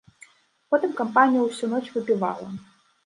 Потым кампанія ўсю ноч выпівала.